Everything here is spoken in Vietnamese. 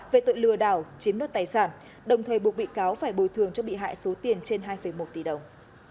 về tội lừa đảo chiếm nốt tài sản đồng thời buộc bị cáo phải bồi thường cho bị hại số tiền trên hai một tỷ đồng